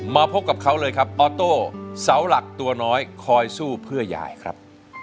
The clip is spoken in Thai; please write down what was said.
มาพบกับเขาเลยครับออโต้เสาหลักตัวน้อยคอยสู้เพื่อยายครับ